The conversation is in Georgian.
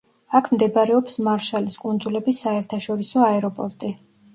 აქ მდებარეობს მარშალის კუნძულების საერთაშორისო აეროპორტი.